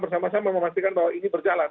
bersama sama memastikan bahwa ini berjalan